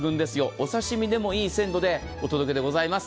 お刺身でも、いい鮮度でお届けでございます。